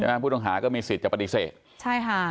ผู้ต้องหาก็มีสิทธิ์จะปฏิเสธใช่ค่ะ